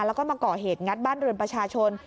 แล้วก็มาก่อเหตุงัดบ้านเรือนประชาชน